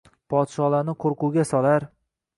Podshohlarni qoʻrquvga solar